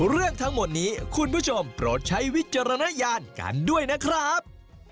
เรื่องทั้งหมดนี้คุณผู้ชมโปรดใช้วิจารณญาณกันด้วยนะครับ